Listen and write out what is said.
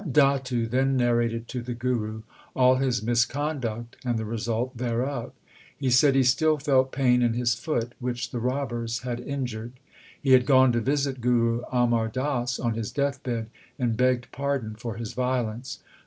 Datu then narrated to the Guru all his misconduct and the result thereof. He said he still felt pain in his foot which the robbers had injured. He had gone to visit Guru Amar Das on his deathbed, and begged pardon for his violence.